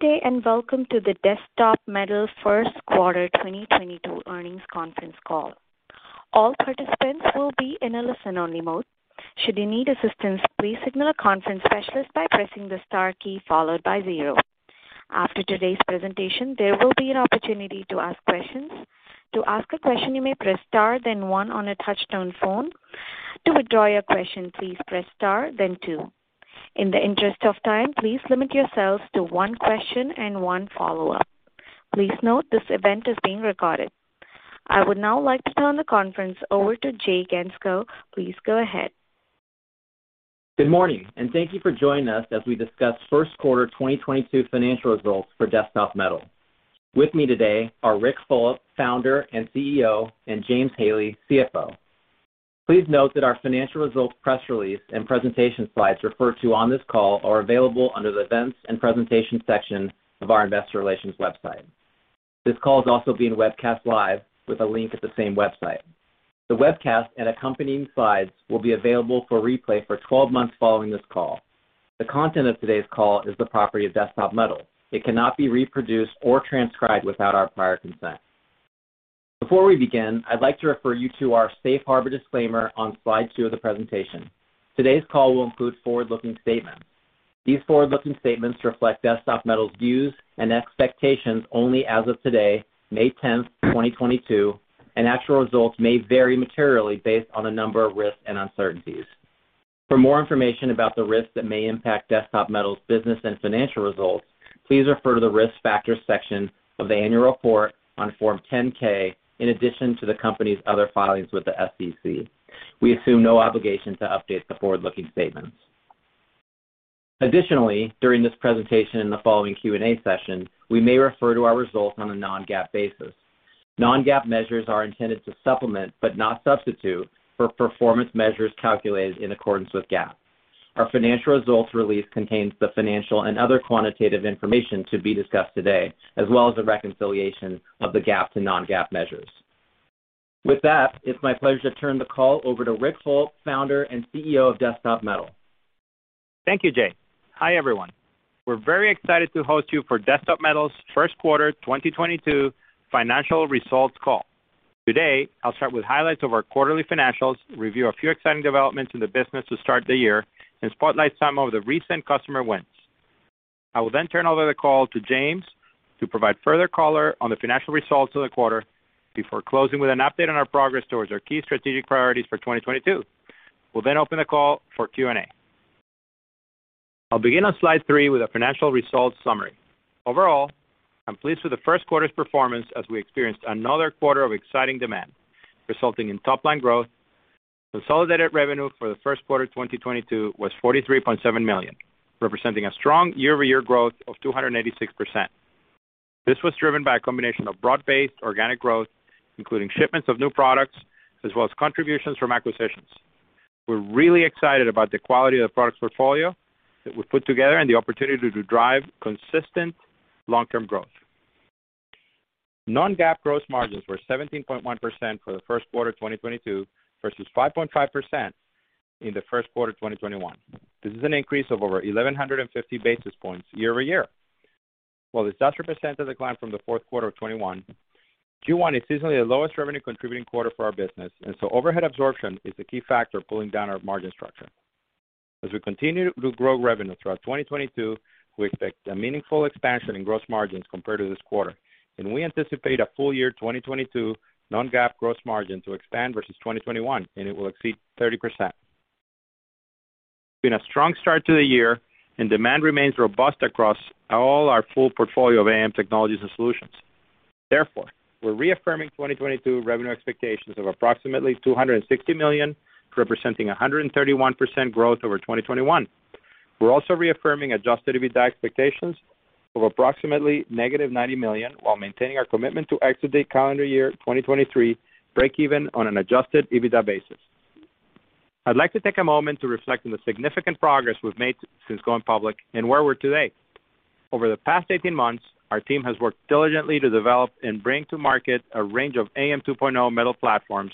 Good day, and welcome to the Desktop Metal Q1 2022 Earnings Conference Call. All participants will be in a listen-only mode. Should you need assistance, please signal a conference specialist by pressing the star key followed by zero. After today's presentation, there will be an opportunity to ask questions. To ask a question, you may press star, then one on a touch-tone phone. To withdraw your question, please press star, then two. In the interest of time, please limit yourselves to one question and one follow-up. Please note this event is being recorded. I would now like to turn the conference over to Jay Gentzkow. Please go ahead. Good morning, and thank you for joining us as we discuss Q1 2022 financial results for Desktop Metal. With me today are Ric Fulop, Founder and CEO, and James Haley, CFO. Please note that our financial results, press release, and presentation slides referred to on this call are available under the Events and Presentation section of our investor relations website. This call is also being webcast live with a link at the same website. The webcast and accompanying slides will be available for replay for 12 months following this call. The content of today's call is the property of Desktop Metal. It cannot be reproduced or transcribed without our prior consent. Before we begin, I'd like to refer you to our safe harbor disclaimer on slide two of the presentation. Today's call will include forward-looking statements. These forward-looking statements reflect Desktop Metal's views and expectations only as of today, 10 May 2022, and actual results may vary materially based on a number of risks and uncertainties. For more information about the risks that may impact Desktop Metal's business and financial results, please refer to the Risk Factors section of the annual report on Form 10-K, in addition to the company's other filings with the SEC. We assume no obligation to update the forward-looking statements. Additionally, during this presentation and the following Q&A session, we may refer to our results on a non-GAAP basis. Non-GAAP measures are intended to supplement, but not substitute, for performance measures calculated in accordance with GAAP. Our financial results release contains the financial and other quantitative information to be discussed today, as well as the reconciliation of the GAAP to non-GAAP measures. With that, it's my pleasure to turn the call over to Ric Fulop, Founder and CEO of Desktop Metal. Thank you, Jay. Hi, everyone. We're very excited to host you for Desktop Metal's Q1 2022 financial results call. Today, I'll start with highlights of our quarterly financials, review a few exciting developments in the business to start the year, and spotlight some of the recent customer wins. I will then turn over the call to James to provide further color on the financial results of the quarter before closing with an update on our progress towards our key strategic priorities for 2022. We'll then open the call for Q&A. I'll begin on slide three with a financial results summary. Overall, I'm pleased with the Q1's performance as we experienced another quarter of exciting demand, resulting in top-line growth. Consolidated revenue for the Q1 2022 was $43.7 million, representing a strong year-over-year growth of 286%. This was driven by a combination of broad-based organic growth, including shipments of new products as well as contributions from acquisitions. We're really excited about the quality of the products portfolio that we've put together and the opportunity to drive consistent long-term growth. Non-GAAP gross margins were 17.1% for the Q1 2022 versus 5.5% in the Q1 2021. This is an increase of over 1,150 basis points year-over-year. While this does represents a decline from the Q4 of 2021, Q1 is seasonally the lowest revenue contributing quarter for our business, and so overhead absorption is the key factor pulling down our margin structure. As we continue to grow revenue throughout 2022, we expect a meaningful expansion in gross margins compared to this quarter, and we anticipate a full year 2022 non-GAAP gross margin to expand versus 2021, and it will exceed 30%. It's been a strong start to the year and demand remains robust across all our full portfolio of AM technologies and solutions. Therefore, we're reaffirming 2022 revenue expectations of approximately $260 million, representing 131% growth over 2021. We're also reaffirming adjusted EBITDA expectations of approximately -$90 million while maintaining our commitment to exit the calendar year 2023 breakeven on an adjusted EBITDA basis. I'd like to take a moment to reflect on the significant progress we've made since going public and where we're today. Over the past 18 months, our team has worked diligently to develop and bring to market a range of AM 2.0 metal platforms,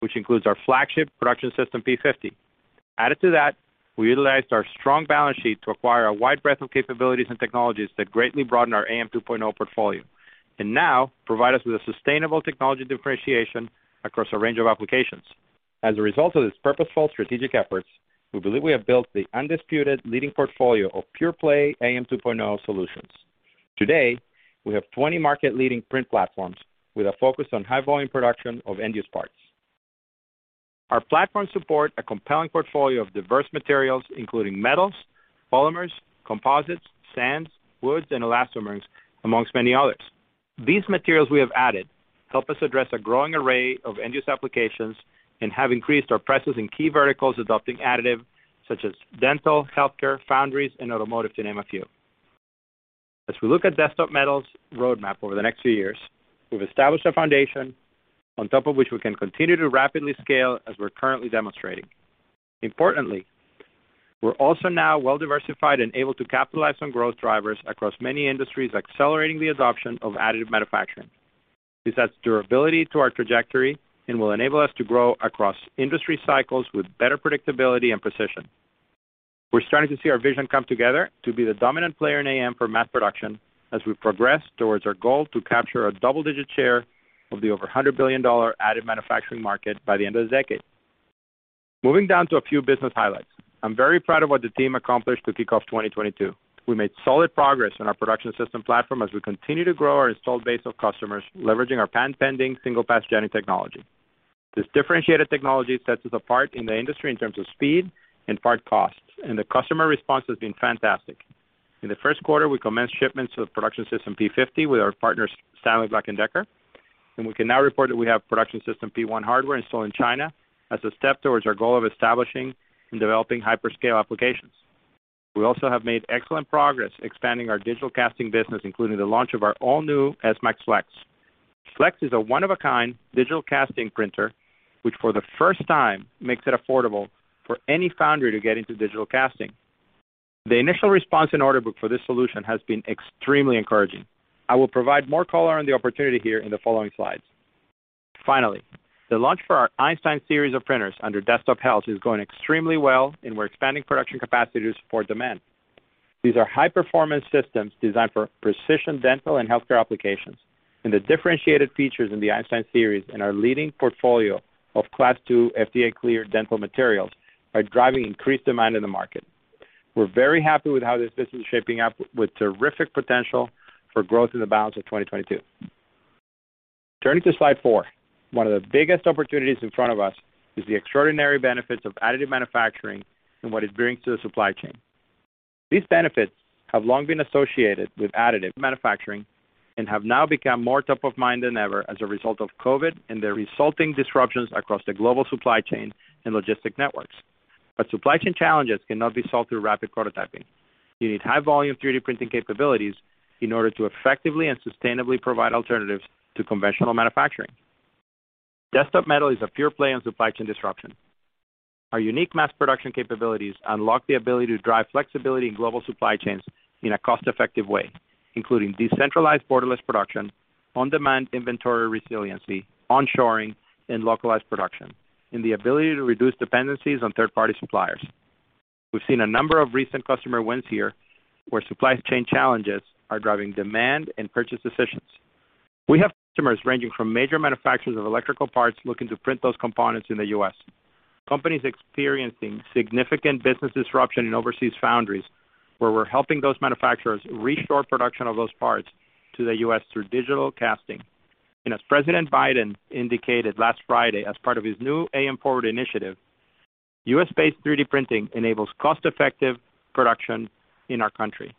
which includes our flagship Production System P-50. Added to that, we utilized our strong balance sheet to acquire a wide breadth of capabilities and technologies that greatly broaden our AM 2.0 portfolio and now provide us with a sustainable technology differentiation across a range of applications. As a result of these purposeful strategic efforts, we believe we have built the undisputed leading portfolio of pure-play AM 2.0 solutions. Today, we have 20 market-leading print platforms with a focus on high-volume production of end-use parts. Our platforms support a compelling portfolio of diverse materials, including metals, polymers, composites, sands, woods, and elastomers, among many others. These materials we have added help us address a growing array of end-use applications and have increased our presence in key verticals adopting additive such as dental, healthcare, foundries, and automotive, to name a few. As we look at Desktop Metal's roadmap over the next few years, we've established a foundation on top of which we can continue to rapidly scale as we're currently demonstrating. Importantly, we're also now well-diversified and able to capitalize on growth drivers across many industries accelerating the adoption of additive manufacturing. This adds durability to our trajectory and will enable us to grow across industry cycles with better predictability and precision. We're starting to see our vision come together to be the dominant player in AM for mass production as we progress towards our goal to capture a double-digit share of the over $100 billion additive manufacturing market by the end of the decade. Moving down to a few business highlights. I'm very proud of what the team accomplished to kick off 2022. We made solid progress in our Production System platform as we continue to grow our installed base of customers leveraging our patent-pending Single Pass Jetting technology. This differentiated technology sets us apart in the industry in terms of speed and part costs, and the customer response has been fantastic. In the Q1 we commenced shipments to the Production System P-50 with our partners Stanley Black & Decker, and we can now report that we have Production System P-1 hardware installed in China as a step towards our goal of establishing and developing hyperscale applications. We also have made excellent progress expanding our digital casting business, including the launch of our all-new S-Max Flex. Flex is one of a kind digital casting printer which for the first time makes it affordable for any foundry to get into digital casting. The initial response and order book for this solution has been extremely encouraging. I will provide more color on the opportunity here in the following slides. Finally, the launch for our Einstein series of printers under Desktop Health is going extremely well, and we're expanding production capacity to support demand. These are high-performance systems designed for precision dental and healthcare applications, and the differentiated features in the Einstein series and our leading portfolio of Class II FDA-cleared dental materials are driving increased demand in the market. We're very happy with how this business is shaping up with terrific potential for growth in the balance of 2022. Turning to slide four. One of the biggest opportunities in front of us is the extraordinary benefits of additive manufacturing and what it brings to the supply chain. These benefits have long been associated with additive manufacturing and have now become more top of mind than ever as a result of COVID and the resulting disruptions across the global supply chain and logistics networks. Supply chain challenges cannot be solved through rapid prototyping. You need high volume 3D printing capabilities in order to effectively and sustainably provide alternatives to conventional manufacturing. Desktop Metal is a pure play on supply chain disruption. Our unique mass production capabilities unlock the ability to drive flexibility in global supply chains in a cost-effective way, including decentralized borderless production, on-demand inventory resiliency, onshoring and localized production, and the ability to reduce dependencies on third-party suppliers. We've seen a number of recent customer wins here where supply chain challenges are driving demand and purchase decisions. We have customers ranging from major manufacturers of electrical parts looking to print those components in the U.S. Companies experiencing significant business disruption in overseas foundries, where we're helping those manufacturers restore production of those parts to the U.S. through digital casting. As President Biden indicated last Friday as part of his new AM Forward initiative, U.S.-based 3D printing enables cost-effective production in our country.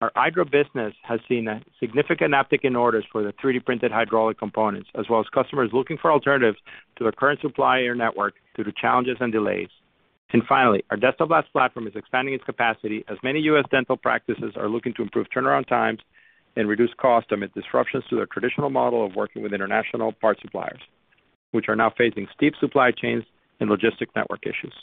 Our hydro business has seen a significant uptick in orders for the 3D printed hydraulic components, as well as customers looking for alternatives to their current supplier network due to challenges and delays. Finally, our Desktop Blast platform is expanding its capacity as many U.S. dental practices are looking to improve turnaround times and reduce cost amid disruptions to their traditional model of working with international part suppliers, which are now facing steep supply chains and logistics network issues.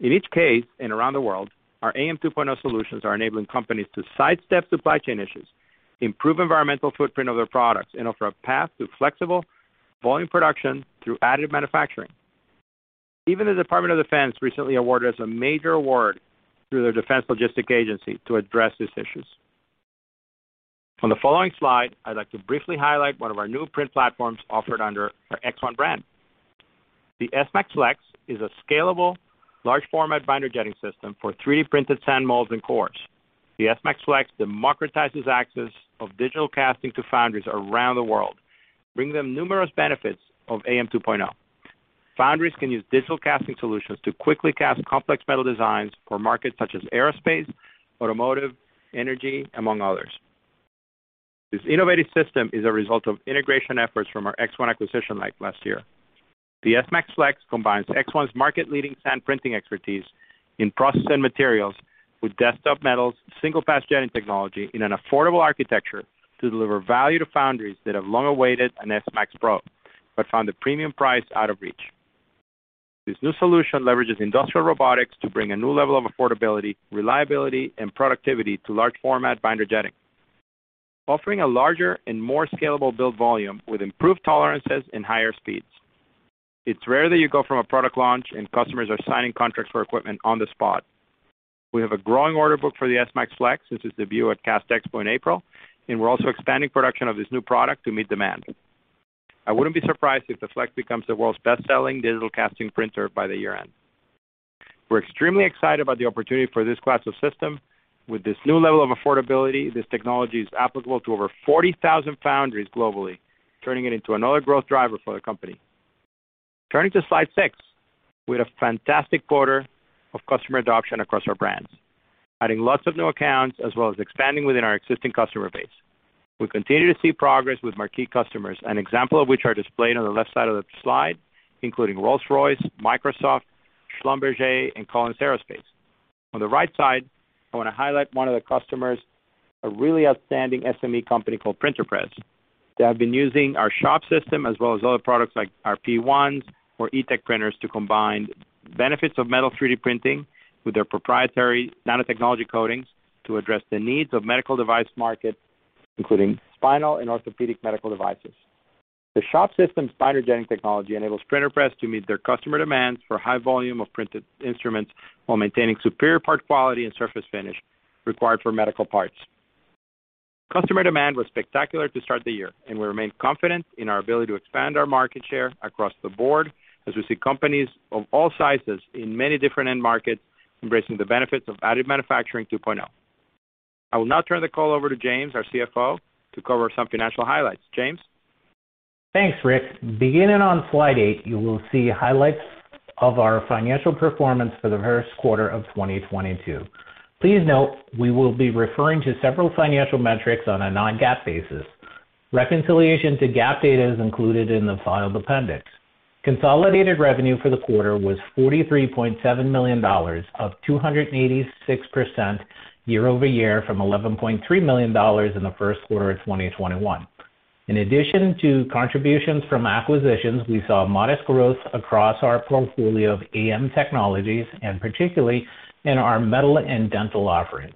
In each case and around the world, our AM 2.0 solutions are enabling companies to sidestep supply chain issues, improve environmental footprint of their products, and offer a path to flexible volume production through additive manufacturing. Even the Department of Defense recently awarded us a major award through their Defense Logistics Agency to address these issues. On the following slide, I'd like to briefly highlight one of our new print platforms offered under our ExOne brand. The S-Max Flex is a scalable large format binder jetting system for 3D printed sand molds and cores. The S-Max Flex democratizes access of digital casting to foundries around the world, bringing them numerous benefits of AM 2.0. Foundries can use digital casting solutions to quickly cast complex metal designs for markets such as aerospace, automotive, energy, among others. This innovative system is a result of integration efforts from our ExOne acquisition late last year. The S-Max Flex combines ExOne's market leading sand printing expertise in processed materials with Desktop Metal's Single Pass Jetting technology in an affordable architecture to deliver value to foundries that have long awaited an S-Max Pro, but found the premium price out of reach. This new solution leverages industrial robotics to bring a new level of affordability, reliability, and productivity to large format binder jetting, offering a larger and more scalable build volume with improved tolerances and higher speeds. It's rare that you go from a product launch and customers are signing contracts for equipment on the spot. We have a growing order book for the S-Max Flex since its debut at CastExpo in April, and we're also expanding production of this new product to meet demand. I wouldn't be surprised if the Flex becomes the world's best-selling digital casting printer by the year-end. We're extremely excited about the opportunity for this class of system. With this new level of affordability, this technology is applicable to over 40,000 foundries globally, turning it into another growth driver for the company. Turning to slide six. We had a fantastic quarter of customer adoption across our brands, adding lots of new accounts as well as expanding within our existing customer base. We continue to see progress with marquee customers, an example of which are displayed on the left side of the slide, including Rolls-Royce, Microsoft, Schlumberger, and Collins Aerospace. On the right side, I want to highlight one of the customers, a really outstanding SME company called PrinterPrezz. They have been using our Shop System as well as other products like our P-1s or ETEC printers to combine the benefits of metal 3D printing with their proprietary nanotechnology coatings to address the needs of medical device market, including spinal and orthopedic medical devices. The Shop System's binder jetting technology enables PrinterPrezz to meet their customer demands for high volume of printed instruments while maintaining superior part quality and surface finish required for medical parts. Customer demand was spectacular to start the year, and we remain confident in our ability to expand our market share across the board as we see companies of all sizes in many different end markets embracing the benefits of additive manufacturing 2.0. I will now turn the call over to James, our CFO, to cover some financial highlights. James? Thanks, Rick. Beginning on slide eight, you will see highlights of our financial performance for the Q1 of 2022. Please note we will be referring to several financial metrics on a non-GAAP basis. Reconciliation to GAAP data is included in the filed appendix. Consolidated revenue for the quarter was $43.7 million up 286% year-over-year from $11.3 million in the Q1 of 2021. In addition to contributions from acquisitions, we saw modest growth across our portfolio of AM technologies, and particularly in our metal and dental offerings.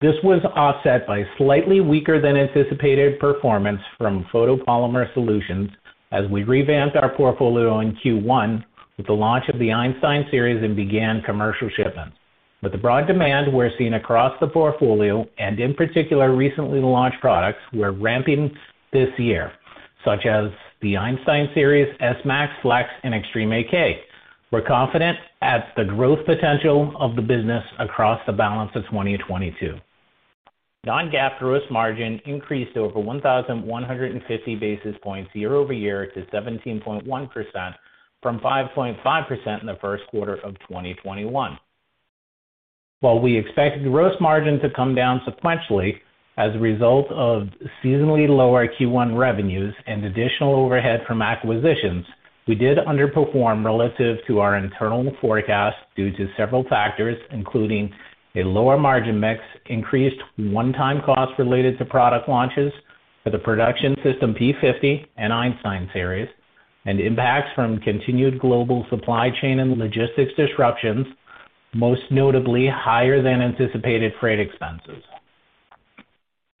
This was offset by slightly weaker than anticipated performance from photopolymer solutions as we revamped our portfolio in Q1 with the launch of the Einstein series and began commercial shipments. With the broad demand we're seeing across the portfolio, and in particular, recently launched products we're ramping this year, such as the Einstein series, S-Max Flex, and Xtreme 8K, we're confident in the growth potential of the business across the balance of 2022. Non-GAAP gross margin increased over 1,150 basis points year-over-year to 17.1% from 5.5% in the Q1 of 2021. While we expect gross margin to come down sequentially as a result of seasonally lower Q1 revenues and additional overhead from acquisitions, we did underperform relative to our internal forecast due to several factors, including a lower margin mix, increased one-time costs related to product launches for the Production System P-50 and Einstein series, and impacts from continued global supply chain and logistics disruptions, most notably higher than anticipated freight expenses.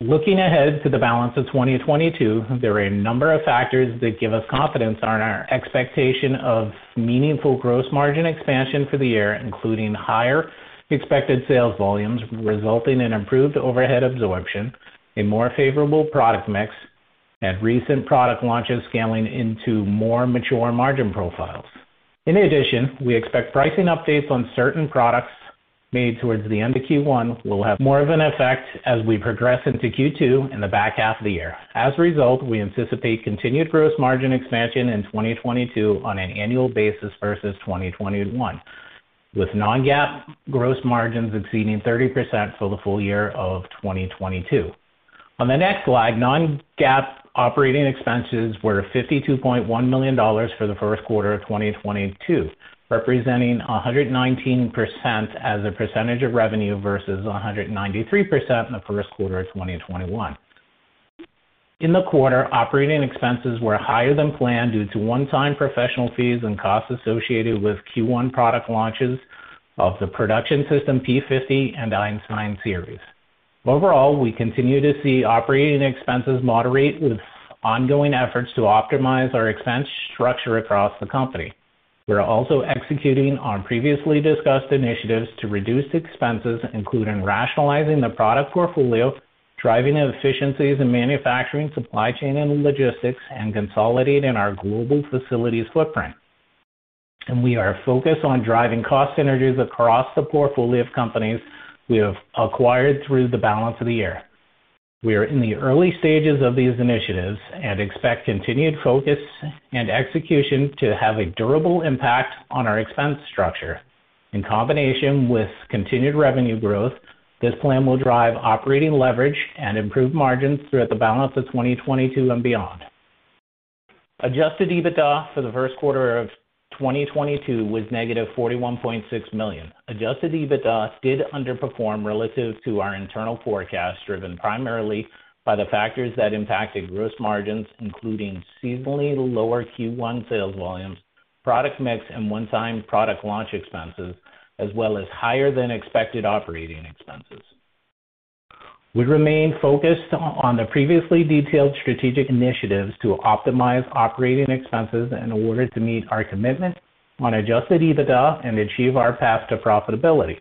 Looking ahead to the balance of 2022, there are a number of factors that give us confidence on our expectation of meaningful gross margin expansion for the year, including higher expected sales volumes resulting in improved overhead absorption, a more favorable product mix, and recent product launches scaling into more mature margin profiles. In addition, we expect pricing updates on certain products made towards the end of Q1 will have more of an effect as we progress into Q2 in the back half of the year. As a result, we anticipate continued gross margin expansion in 2022 on an annual basis versus 2021, with non-GAAP gross margins exceeding 30% for the full year of 2022. On the next slide, non-GAAP operating expenses were $52.1 million for the Q1 of 2022, representing 119% as a percentage of revenue versus 193% in the Q1 of 2021. In the quarter, operating expenses were higher than planned due to one-time professional fees and costs associated with Q1 product launches of the Production System P-50 and Einstein series. Overall, we continue to see operating expenses moderate with ongoing efforts to optimize our expense structure across the company. We are also executing on previously discussed initiatives to reduce expenses, including rationalizing the product portfolio, driving efficiencies in manufacturing, supply chain, and logistics, and consolidating our global facilities footprint. We are focused on driving cost synergies across the portfolio of companies we have acquired through the balance of the year. We are in the early stages of these initiatives and expect continued focus and execution to have a durable impact on our expense structure. In combination with continued revenue growth, this plan will drive operating leverage and improve margins throughout the balance of 2022 and beyond. Adjusted EBITDA for the Q1 of 2022 was -$41.6 million. Adjusted EBITDA did underperform relative to our internal forecast, driven primarily by the factors that impacted gross margins, including seasonally lower Q1 sales volumes, product mix, and one-time product launch expenses, as well as higher than expected operating expenses. We remain focused on the previously detailed strategic initiatives to optimize operating expenses in order to meet our commitment on adjusted EBITDA and achieve our path to profitability.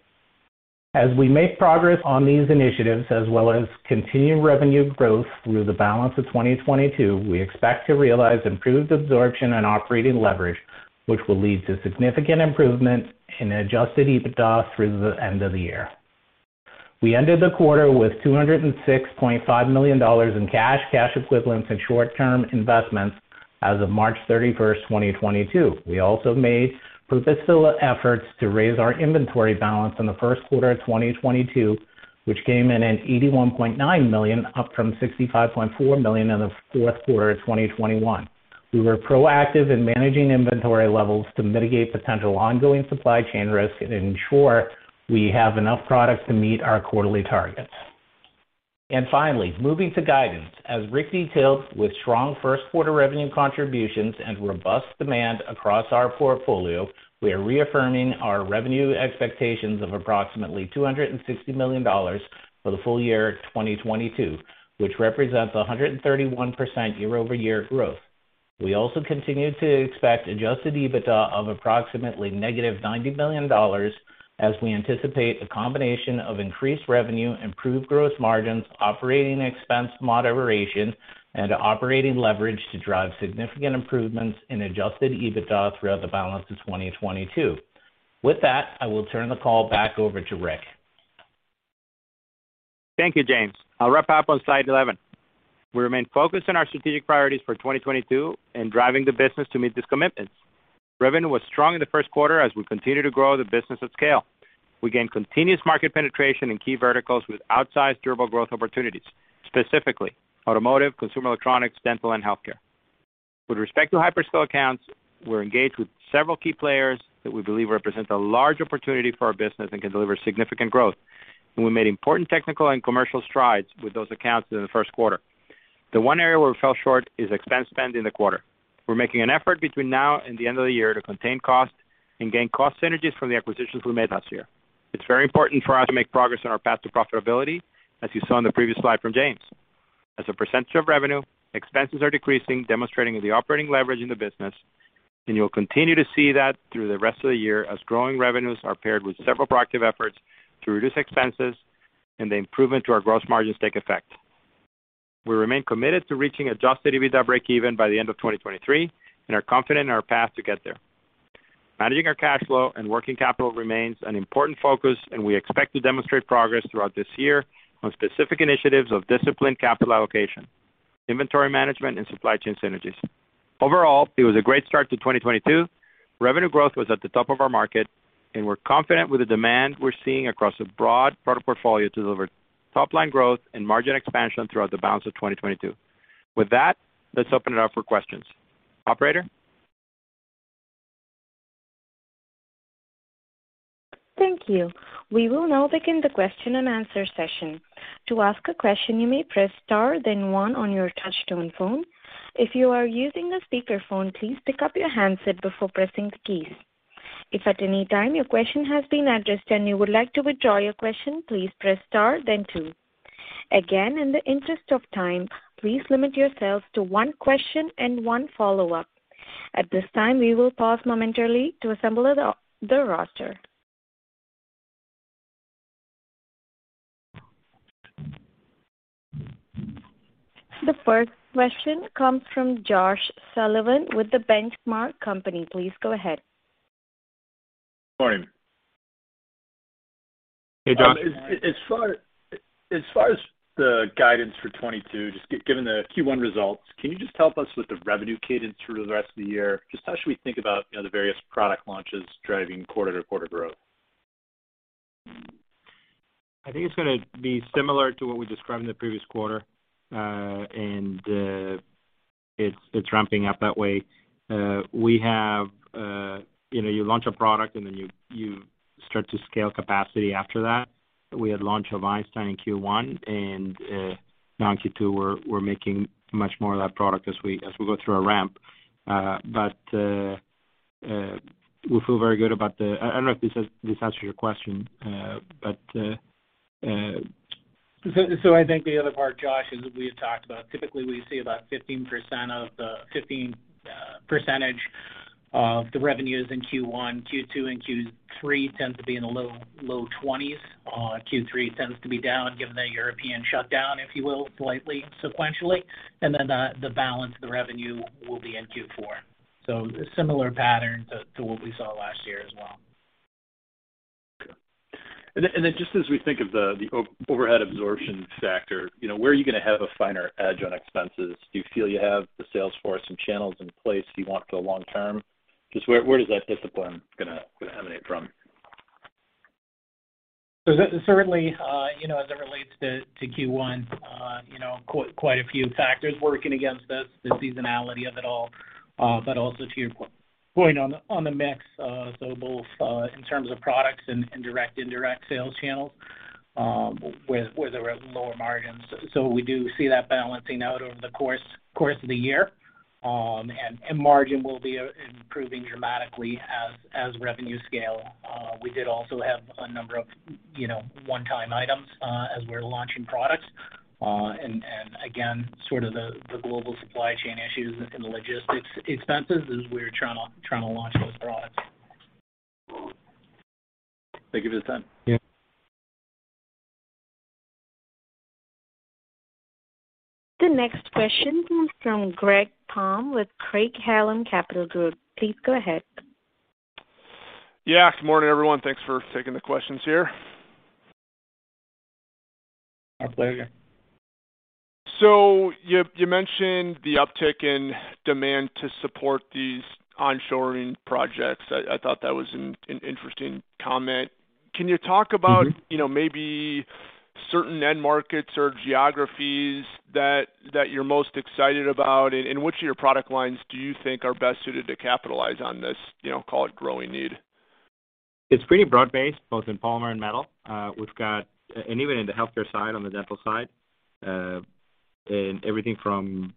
As we make progress on these initiatives as well as continued revenue growth through the balance of 2022, we expect to realize improved absorption and operating leverage, which will lead to significant improvement in adjusted EBITDA through the end of the year. We ended the quarter with $206.5 million in cash equivalents, and short-term investments as of 31 March 2022. We also made purposeful efforts to raise our inventory balance in the Q1 of 2022, which came in at $81.9 million, up from $65.4 million in the Q4 of 2021. We were proactive in managing inventory levels to mitigate potential ongoing supply chain risks and ensure we have enough products to meet our quarterly targets. Finally, moving to guidance. As Rick detailed, with strong first quarter revenue contributions and robust demand across our portfolio, we are reaffirming our revenue expectations of approximately $260 million for the full year 2022, which represents 131% year-over-year growth. We also continue to expect adjusted EBITDA of approximately -$90 million as we anticipate a combination of increased revenue, improved gross margins, operating expense moderation, and operating leverage to drive significant improvements in adjusted EBITDA throughout the balance of 2022. With that, I will turn the call back over to Rick. Thank you, James. I'll wrap up on slide 11. We remain focused on our strategic priorities for 2022 and driving the business to meet these commitments. Revenue was strong in the Q1 as we continue to grow the business at scale. We gained continuous market penetration in key verticals with outsized durable growth opportunities, specifically automotive, consumer electronics, dental, and healthcare. With respect to hyperscale accounts, we're engaged with several key players that we believe represent a large opportunity for our business and can deliver significant growth. We made important technical and commercial strides with those accounts in the Q1. The one area where we fell short is expense spend in the quarter. We're making an effort between now and the end of the year to contain costs and gain cost synergies from the acquisitions we made last year. It's very important for us to make progress on our path to profitability, as you saw in the previous slide from James. As a percentage of revenue, expenses are decreasing, demonstrating the operating leverage in the business, and you'll continue to see that through the rest of the year as growing revenues are paired with several proactive efforts to reduce expenses and the improvement to our gross margins take effect. We remain committed to reaching adjusted EBITDA breakeven by the end of 2023 and are confident in our path to get there. Managing our cash flow and working capital remains an important focus, and we expect to demonstrate progress throughout this year on specific initiatives of disciplined capital allocation, inventory management, and supply chain synergies. Overall, it was a great start to 2022. Revenue growth was at the top of our market, and we're confident with the demand we're seeing across a broad product portfolio to deliver top-line growth and margin expansion throughout the balance of 2022. With that, let's open it up for questions. Operator? Thank you. We will now begin the question-and-answer session. To ask a question, you may press star then one on your touchtone phone. If you are using a speakerphone, please pick up your handset before pressing the keys. If at any time your question has been addressed and you would like to withdraw your question, please press star then two. Again, in the interest of time, please limit yourselves to one question and one follow-up. At this time, we will pause momentarily to assemble the roster. The first question comes from Josh Sullivan with The Benchmark Company. Please go ahead. Morning. Hey, Josh. As far as the guidance for 2022, just given the Q1 results, can you just help us with the revenue cadence through the rest of the year? Just how should we think about, you know, the various product launches driving quarter-to-quarter growth? I think it's gonna be similar to what we described in the previous quarter. It's ramping up that way. You know, you launch a product, and then you start to scale capacity after that. We had launch of Einstein in Q1, and now in Q2, we're making much more of that product as we go through our ramp. We feel very good. I don't know if this answers your question. I think the other part, Josh, is we had talked about typically we see about 15% of the revenues in Q1. Q2 and Q3 tend to be in the low 20s%. Q3 tends to be down given the European shutdown, if you will, slightly sequentially. The balance of the revenue will be in Q4. Similar pattern to what we saw last year as well. Okay. Just as we think of the overhead absorption factor, you know, where are you gonna have a finer edge on expenses? Do you feel you have the sales force and channels in place you want for the long term? Just where does that discipline gonna emanate from? Certainly, you know, as it relates to Q1, quite a few factors working against us, the seasonality of it all. Also to your point, on the mix, both in terms of products and direct, indirect sales channels, where there were lower margins. We do see that balancing out over the course of the year. Margin will be improving dramatically as revenues scale. We did also have a number of one-time items as we're launching products. Again, sort of the global supply chain issues and the logistics expenses as we're trying to launch those products. Thank you for the time. Yeah. The next question comes from Greg Palm with Craig-Hallum Capital Group. Please go ahead. Yeah. Good morning, everyone. Thanks for taking the questions here. Our pleasure. You mentioned the uptick in demand to support these onshoring projects. I thought that was an interesting comment. Can you talk about- Mm-hmm. You know, maybe certain end markets or geographies that you're most excited about? Which of your product lines do you think are best suited to capitalize on this, you know, call it growing need? It's pretty broad-based, both in polymer and metal. We've got even in the healthcare side, on the dental side, in everything from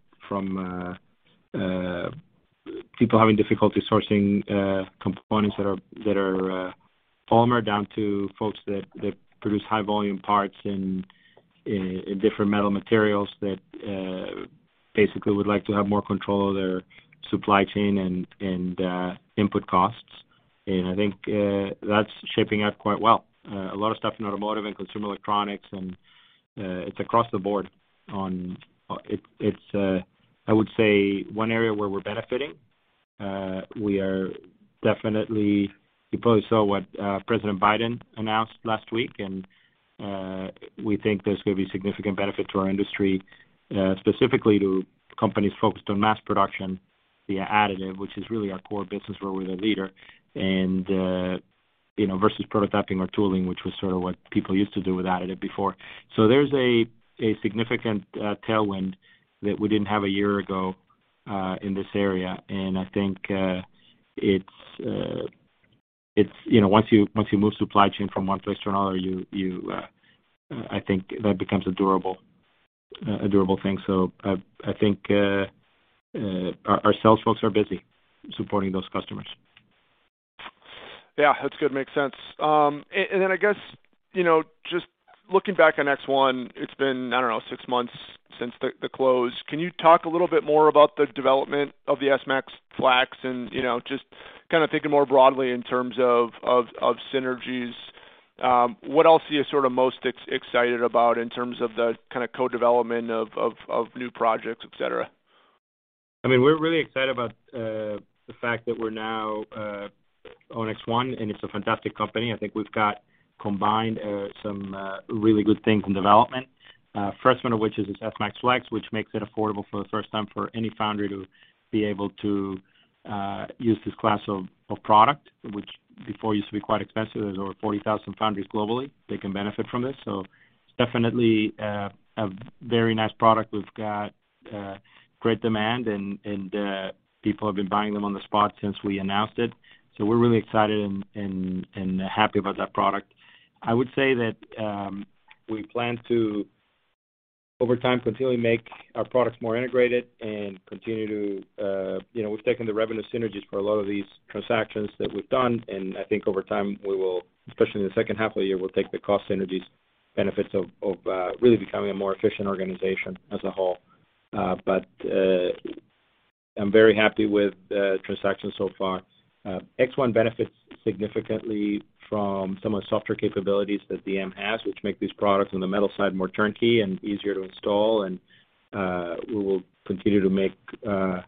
people having difficulty sourcing components that are polymer down to folks that produce high volume parts in different metal materials that basically would like to have more control of their supply chain and input costs. I think that's shaping up quite well. A lot of stuff in automotive and consumer electronics, and it's across the board on. It's I would say one area where we're benefiting, we are definitely. You probably saw what President Biden announced last week. We think there's gonna be significant benefit to our industry, specifically to companies focused on mass production via additive, which is really our core business where we're the leader. You know, versus prototyping or tooling, which was sort of what people used to do with additive before. There's a significant tailwind that we didn't have a year ago in this area. I think it's you know, once you move supply chain from one place to another, you I think that becomes a durable thing. I think our sales folks are busy supporting those customers. Yeah, that's good. Makes sense. And then I guess, you know, just looking back on ExOne, it's been, I don't know, six months since the close. Can you talk a little bit more about the development of the S-Max Flex? You know, just kind of thinking more broadly in terms of of synergies, what else are you sort of most excited about in terms of the kind of co-development of of new projects, et cetera? I mean, we're really excited about the fact that we're now own ExOne, and it's a fantastic company. I think we've got combined some really good things in development. First one of which is this S-Max Flex, which makes it affordable for the first time for any foundry to be able to use this class of product, which before used to be quite expensive. There's over 40,000 foundries globally that can benefit from this. It's definitely a very nice product. We've got great demand and people have been buying them on the spot since we announced it. We're really excited and happy about that product. I would say that we plan to, over time, continually make our products more integrated and continue to- You know, we've taken the revenue synergies for a lot of these transactions that we've done, and I think over time, we will, especially in the second half of the year, we'll take the cost synergies benefits of really becoming a more efficient organization as a whole. But I'm very happy with the transaction so far. ExOne benefits significantly from some of the software capabilities that DM has, which make these products on the metal side more turnkey and easier to install. We will continue to make our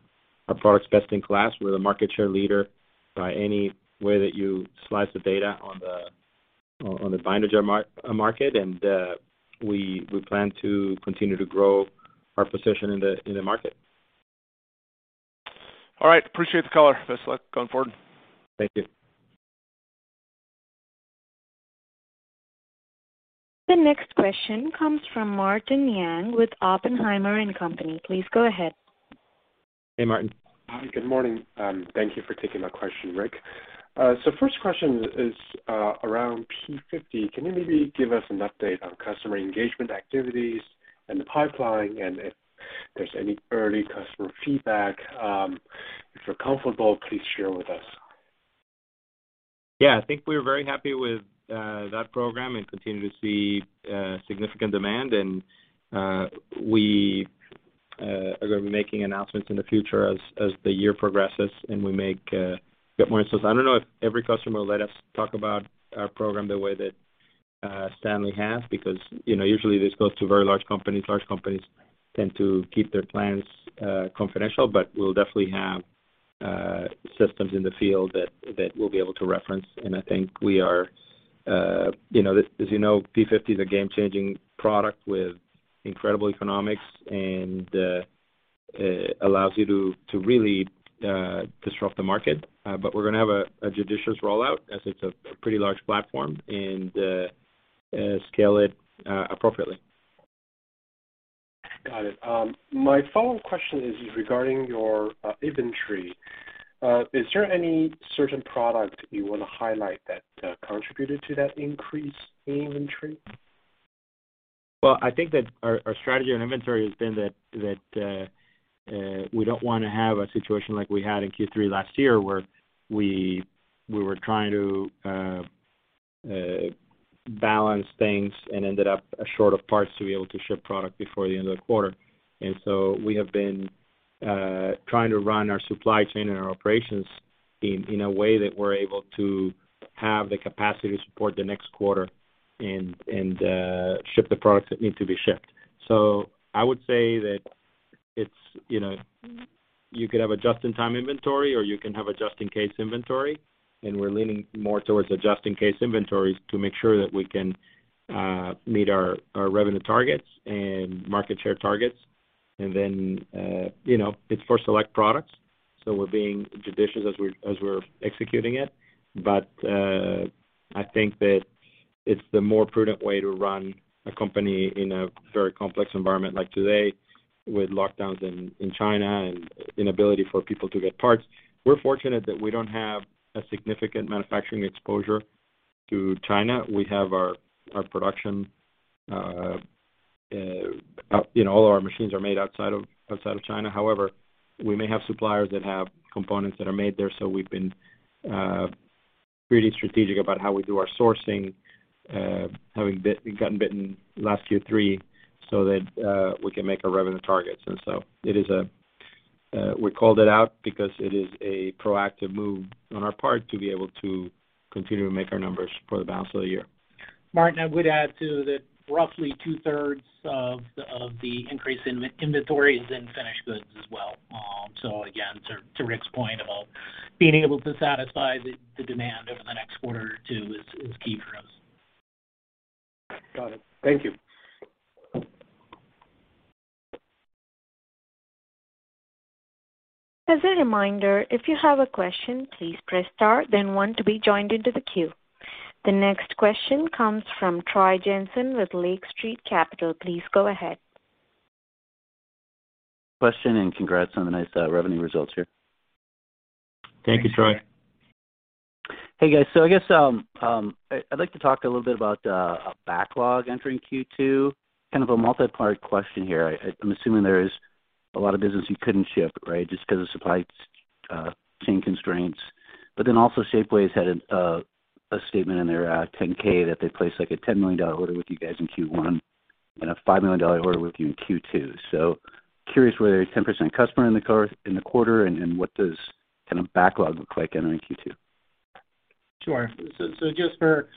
products best in class. We're the market share leader by any way that you slice the data on the binder jetting market. We plan to continue to grow our position in the market. All right. Appreciate the color. Best of luck going forward. Thank you. The next question comes from Martin Yang with Oppenheimer & Co. Please go ahead. Hey, Martin. Hi, good morning. Thank you for taking my question, Ric. First question is, around P-50. Can you maybe give us an update on customer engagement activities and the pipeline? If there's any early customer feedback, if you're comfortable, please share with us. Yeah. I think we're very happy with that program and continue to see significant demand. We are gonna be making announcements in the future as the year progresses and we get more installs. I don't know if every customer will let us talk about our program the way that Stanley has because, you know, usually this goes to very large companies. Large companies tend to keep their plans confidential, but we'll definitely have systems in the field that we'll be able to reference. I think we are, you know, as you know, P50 is a game-changing product with incredible economics and allows you to really disrupt the market. But we're gonna have a judicious rollout as it's a pretty large platform and scale it appropriately. Got it. My follow-up question is regarding your, inventory. Is there any certain product you wanna highlight that, contributed to that increase in inventory? Well, I think that our strategy on inventory has been that we don't wanna have a situation like we had in Q3 last year, where we were trying to balance things and ended up short of parts to be able to ship product before the end of the quarter. We have been trying to run our supply chain and our operations in a way that we're able to have the capacity to support the next quarter and ship the products that need to be shipped. I would say that it's, you know, you could have a just-in-time inventory or you can have a just-in-case inventory, and we're leaning more towards a just-in-case inventories to make sure that we can meet our revenue targets and market share targets. You know, it's for select products, so we're being judicious as we're executing it. I think that it's the more prudent way to run a company in a very complex environment like today with lockdowns in China and inability for people to get parts. We're fortunate that we don't have a significant manufacturing exposure to China. We have our production, you know, all our machines are made outside of China. However, we may have suppliers that have components that are made there, so we've been pretty strategic about how we do our sourcing, having gotten bitten last Q3 so that we can make our revenue targets. We called it out because it is a proactive move on our part to be able to continue to make our numbers for the balance of the year. Martin, I would add too that roughly two-thirds of the increase in inventories is in finished goods as well. Again, to Ric's point about being able to satisfy the demand over the next quarter or two is key for us. Got it. Thank you. As a reminder, if you have a question, please press star, then one to be joined into the queue. The next question comes from Troy Jensen with Lake Street Capital Markets. Please go ahead. Question, congrats on the nice revenue results here. Thank you, Troy. Hey, guys. I guess I'd like to talk a little bit about backlog entering Q2. Kind of a multipart question here. I'm assuming there is a lot of business you couldn't ship, right, just 'cause of supply chain constraints. Also Shapeways had a statement in their 10-K that they placed like a $10 million order with you guys in Q1 and a $5 million order with you in Q2. Curious where a 10% customer in the quarter and what does kind of backlog look like entering Q2? Sure. Just for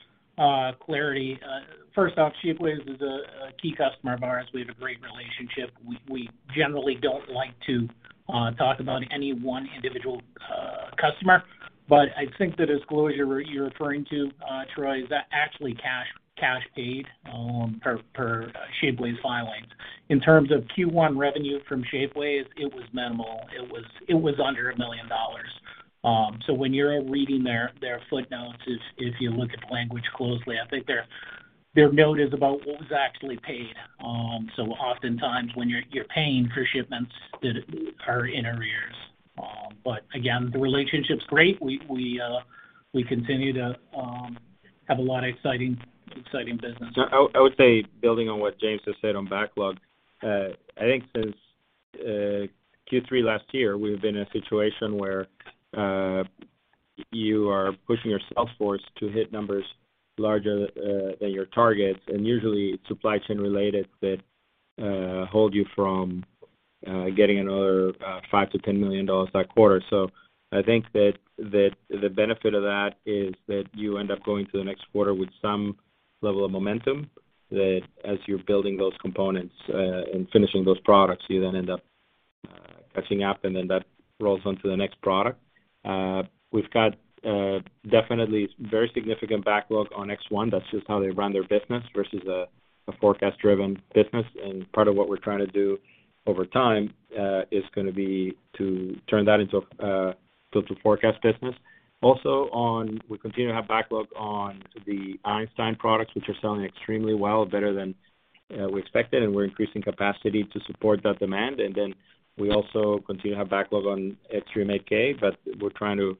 clarity, first off, Shapeways is a key customer of ours. We have a great relationship. We generally don't like to talk about any one individual customer, but I think the disclosure you're referring to, Troy, is that actually cash paid per Shapeways filings. In terms of Q1 revenue from Shapeways, it was minimal. It was under $1 million. When you're reading their footnotes, if you look at the language closely, I think their note is about what was actually paid. Oftentimes when you're paying for shipments that are in arrears. Again, the relationship's great. We continue to have a lot of exciting business. I would say building on what James just said on backlog, I think since Q3 last year, we've been in a situation where you are pushing your sales force to hit numbers larger than your targets, and usually it's supply chain-related that hold you from getting another $5 million-$10 million that quarter. I think that the benefit of that is that you end up going to the next quarter with some level of momentum, that as you're building those components and finishing those products, you then end up catching up, and then that rolls on to the next product. We've got definitely very significant backlog on ExOne. That's just how they run their business versus a forecast-driven business. Part of what we're trying to do over time is gonna be to turn that into a build-to-forecast business. Also, we continue to have backlog on the Einstein products, which are selling extremely well, better than we expected, and we're increasing capacity to support that demand. Then we also continue to have backlog on Xtreem 8K, but we're trying to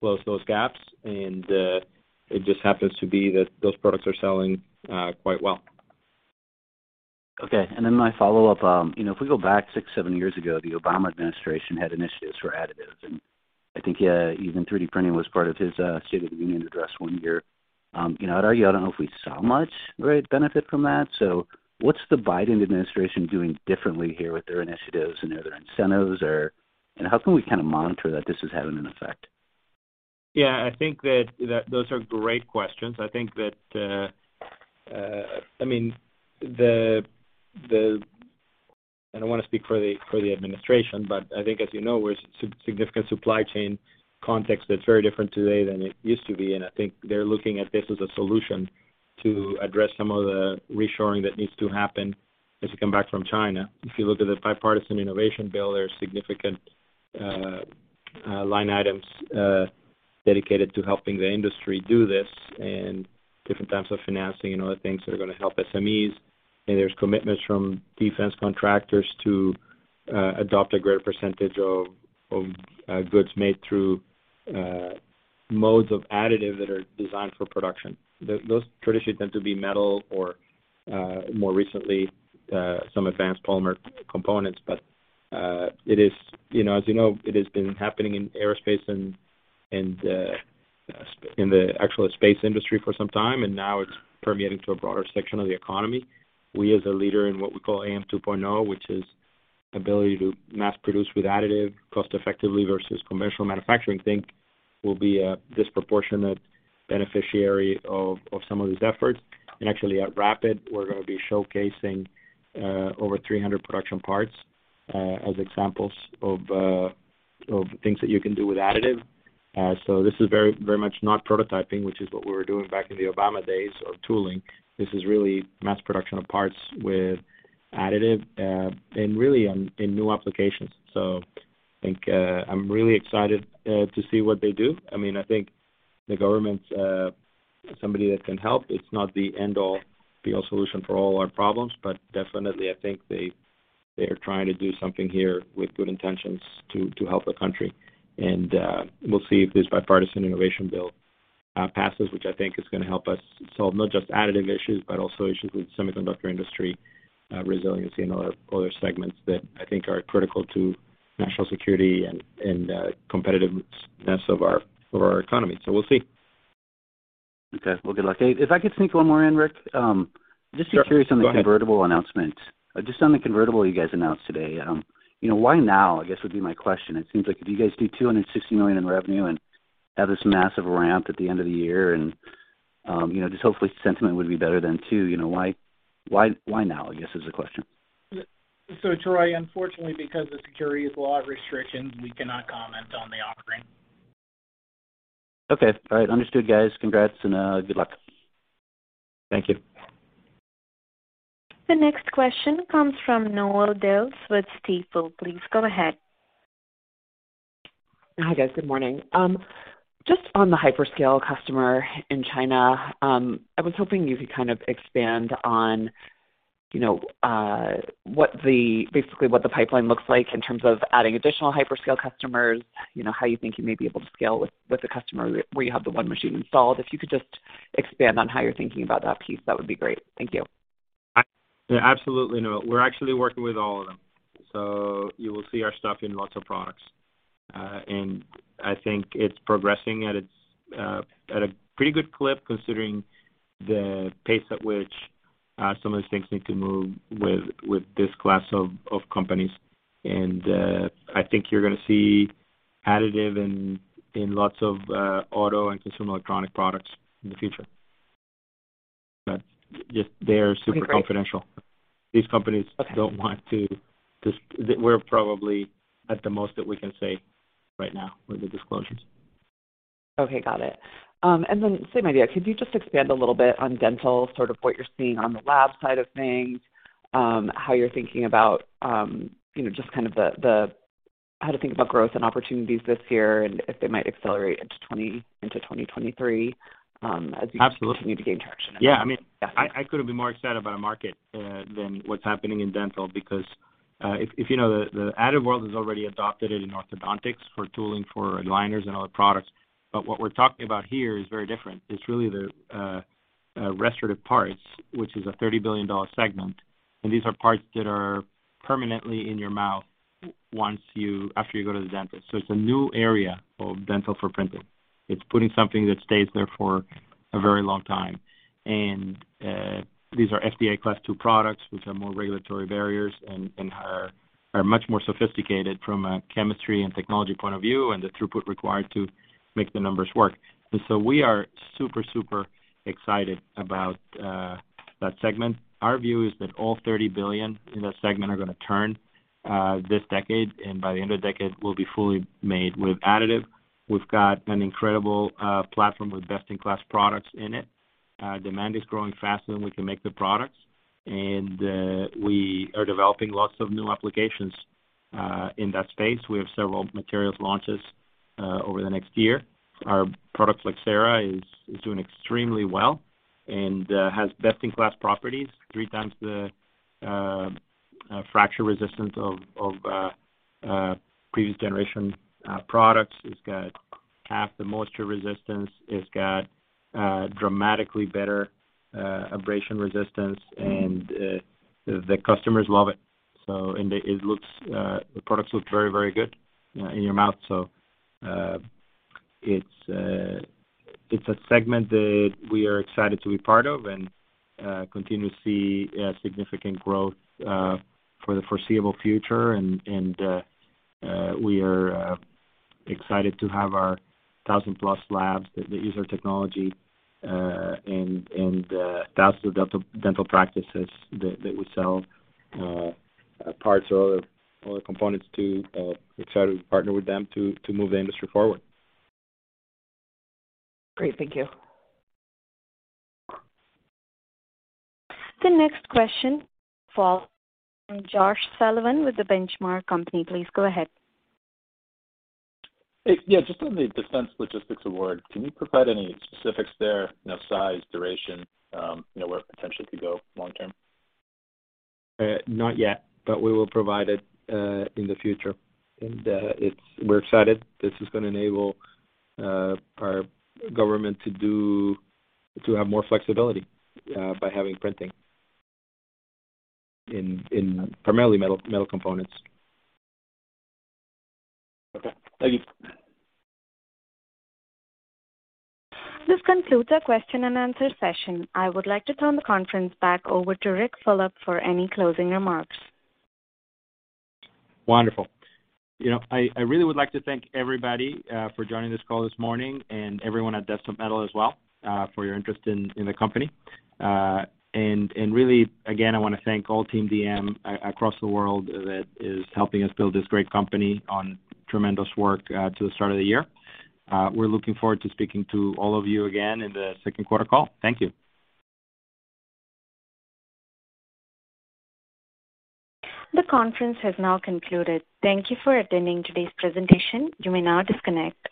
close those gaps. It just happens to be that those products are selling quite well. Okay. My follow-up, you know, if we go back six, seven years ago, the Obama administration had initiatives for additive, and I think, even 3D printing was part of his State of the Union Address one year. You know, I'd argue, I don't know if we saw much great benefit from that. So what's the Biden administration doing differently here with their initiatives and their incentives? How can we kinda monitor that this is having an effect? Yeah, I think that those are great questions. I think that, I mean, I don't wanna speak for the administration, but I think as you know, we're in a significant supply chain context that's very different today than it used to be, and I think they're looking at this as a solution to address some of the reshoring that needs to happen as we come back from China. If you look at the Bipartisan Innovation Act, there are significant line items dedicated to helping the industry do this and different types of financing and other things that are gonna help SMEs. There's commitments from defense contractors to adopt a greater percentage of goods made through modes of additive that are designed for production. Those traditionally tend to be metal or, more recently, some advanced polymer components. It is, you know, as you know, it has been happening in aerospace and in the actual space industry for some time, and now it's permeating to a broader section of the economy. We, as a leader in what we call AM 2.0, which is ability to mass produce with additive cost effectively versus commercial manufacturing, think will be a disproportionate beneficiary of some of these efforts. Actually at RAPID, we're gonna be showcasing over 300 production parts as examples of things that you can do with additive. This is very, very much not prototyping, which is what we were doing back in the Obama days or tooling. This is really mass production of parts with additive, and really on, in new applications. I think I'm really excited to see what they do. I mean, I think the government's somebody that can help. It's not the end all be all solution for all our problems, but definitely I think they are trying to do something here with good intentions to help the country. We'll see if this Bipartisan Innovation Act passes, which I think is gonna help us solve not just additive issues, but also issues with semiconductor industry resiliency and other segments that I think are critical to national security and competitiveness of our economy. We'll see. Okay. Well, good luck. Hey, if I could sneak one more in, Ric. Sure. Just curious on the convertible announcement. Just on the convertible you guys announced today, you know, why now, I guess would be my question. It seems like if you guys do $260 million in revenue and have this massive ramp at the end of the year and, you know, just hopefully sentiment would be better, too, you know, why now, I guess is the question. Troy, unfortunately, because of securities law restrictions, we cannot comment on the offering. Okay. All right. Understood, guys. Congrats, and good luck. Thank you. The next question comes from Noelle Dilts with Stifel. Please go ahead. Hi, guys. Good morning. Just on the hyperscale customer in China, I was hoping you could kind of expand on, you know, basically what the pipeline looks like in terms of adding additional hyperscale customers, you know, how you think you may be able to scale with the customer where you have the one machine installed. If you could just expand on how you're thinking about that piece, that would be great. Thank you. Yeah, absolutely, Noelle. We're actually working with all of them. You will see our stuff in lots of products. I think it's progressing at a pretty good clip considering the pace at which some of these things need to move with this class of companies. I think you're gonna see additive in lots of auto and consumer electronic products in the future. But just, they are super confidential. Okay, great. These companies. Okay. We're probably at the most that we can say right now with the disclosures. Okay, got it. Same idea. Could you just expand a little bit on dental, sort of what you're seeing on the lab side of things, how you're thinking about, you know, just kind of the how to think about growth and opportunities this year, and if they might accelerate into 2023, as you- Absolutely. Continue to gain traction. Yeah. I mean. Yeah. I couldn't be more excited about a market than what's happening in dental because if you know the additive world has already adopted it in orthodontics for tooling, for aligners and other products. What we're talking about here is very different. It's really the restorative parts, which is a $30 billion segment, and these are parts that are permanently in your mouth after you go to the dentist. It's a new area of dental for printing. It's putting something that stays there for a very long time. These are Class II FDA products, which have more regulatory barriers and are much more sophisticated from a chemistry and technology point of view and the throughput required to make the numbers work. We are super excited about that segment. Our view is that all $30 billion in that segment are gonna turn this decade, and by the end of the decade will be fully made with additive. We've got an incredible platform with best-in-class products in it. Demand is growing faster than we can make the products. We are developing lots of new applications in that space. We have several materials launches over the next year. Our product, Flexcera, is doing extremely well and has best-in-class properties, three times the fracture resistance of previous generation products. It's got half the moisture resistance. It's got dramatically better abrasion resistance, and the customers love it. The products look very, very good in your mouth. It's a segment that we are excited to be part of and continue to see significant growth for the foreseeable future. We are excited to have our 1,000-plus labs that use our technology, and thousands of dental practices that we sell parts or other components to. We're excited to partner with them to move the industry forward. Great. Thank you. The next question for Josh Sullivan with The Benchmark Company. Please go ahead. Hey. Yeah. Just on the defense logistics award, can you provide any specifics there? You know, size, duration, you know, where it potentially could go long term? Not yet, but we will provide it in the future. We're excited this is gonna enable our government to have more flexibility by having printing in primarily metal components. Okay. Thank you. This concludes our question and answer session. I would like to turn the conference back over to Ric Fulop for any closing remarks. Wonderful. You know, I really would like to thank everybody for joining this call this morning and everyone at Desktop Metal as well for your interest in the company. Really, again, I wanna thank all team DM across the world that is helping us build this great company on tremendous work to the start of the year. We're looking forward to speaking to all of you again in the Q2 call. Thank you. The conference has now concluded. Thank you for attending today's presentation. You may now disconnect.